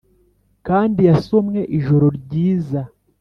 kandi yasomwe ijoro ryiza